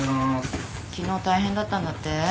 昨日大変だったんだって？